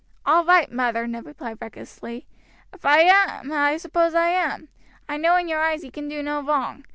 "All right, mother," Ned replied recklessly; "if I am, I suppose I am. I know in your eyes he can do no wrong.